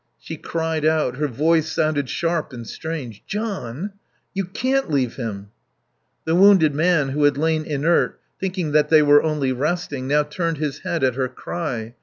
She cried out her voice sounded sharp and strange "John ! You can't leave him." The wounded man who had lain inert, thinking that they were only resting, now turned his head at her cry.